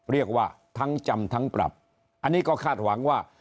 เรียกว่าทั้งจำทั้งปรับอันนี้ก็คาดหวังว่า